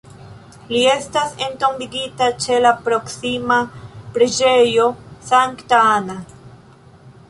Li estas entombigita ĉe la proksima Preĝejo Sankta Anna.